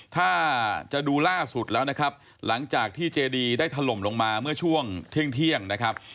ถ้าจะดูล่าสุดแล้วนะครับหลังจากที่เจดีได้ถล่มลงมาเมื่อช่วงเที่ยงนะครับ